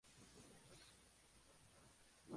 El fármaco es efectivo contra el dolor menstrual.